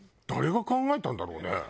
誰が考えたんだろうね。